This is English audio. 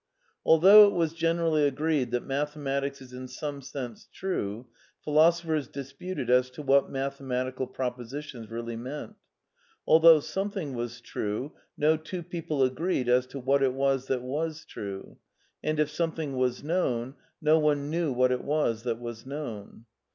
Although it was generally agreed that mathe matics is in some sense true, philosophers disputed as to what mathematical propositions really meant: although something was true no two people agreed as to what it was that was true, and if something was known, no one knew what it was that was known.